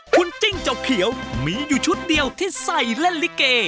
คุณจิ้งจกเขียวมีอยู่ชุดเดียวที่ใส่เล่นลิเก